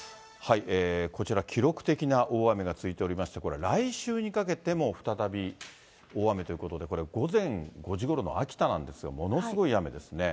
こちら、記録的な大雨が続いておりまして、来週にかけても再び大雨ということで、これ午前５時ごろの秋田なんですけど、ものすごい雨ですね。